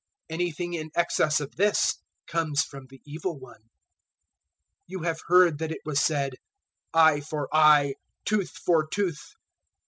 Anything in excess of this comes from the Evil one. 005:038 "You have heard that it was said, `Eye for eye, tooth for tooth.'